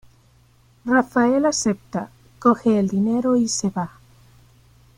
Raphael acepta, coge el dinero y se va.